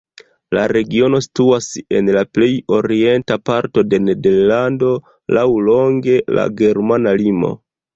La regiono situas en la plej orienta parto de Nederlando, laŭlonge la germana limo.